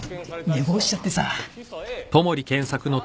寝坊しちゃってさ。